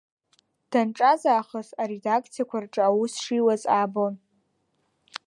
Данҿаз аахыс аредакциақәа рҿы аус шиуаз аабон.